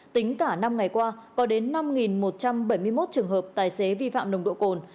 tính cả năm ngày qua có đến năm một trăm bảy mươi một trường hợp tài xế vi phạm nồng độ cồn